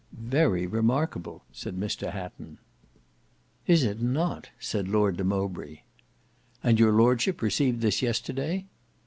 "Very remarkable!" said Mr Hatton. "Is it not!" said Lord de Mowbray. "And your Lordship received this yesterday?"